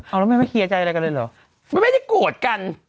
เอาแล้วแม่ไม่เคลียร์ใจอะไรกันเลยเหรอมันไม่ได้โกรธกัน